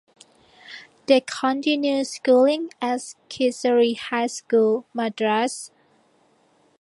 They continued schooling at Kesari High School, Madras.